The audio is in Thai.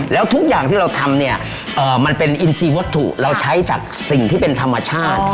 แล้วทุกอย่างที่เราทำเนี่ยเอ่อมันเป็นเราใช้จากสิ่งที่เป็นธรรมชาติ